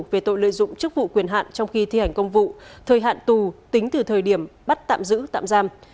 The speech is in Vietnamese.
về tội lợi dụng chức vụ quyền hạn trong khi thi hành công vụ thời hạn tù tính từ thời điểm bắt tạm giữ tạm giam